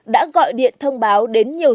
đã gọi điện thông báo đến nhiều dân